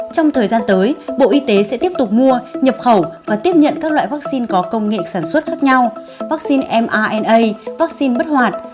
trong thời gian tới bộ y tế sẽ tiếp tục mua nhập khẩu và tiếp nhận các loại vaccine có công nghệ sản xuất khác nhau vaccine mana vaccine bất hoạt